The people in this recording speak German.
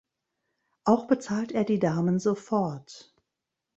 Auch bezahlt er die Damen sofort.